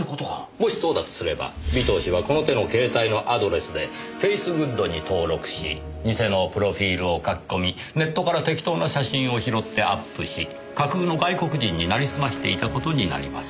もしそうだとすれば尾藤氏はこの手の携帯のアドレスでフェイスグッドに登録し偽のプロフィールを書き込みネットから適当な写真を拾ってアップし架空の外国人に成りすましていた事になります。